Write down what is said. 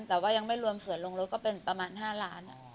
แต่ว่ายังไม่รวมส่วนลงรถก็เป็นประมาณ๕ล้าน